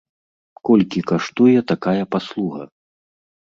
Колькі каштуе такая паслуга?